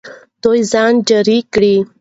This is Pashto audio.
دوی ځان جار کړ.